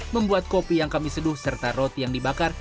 membuat kopi yang kami seduh serta roti yang dibakar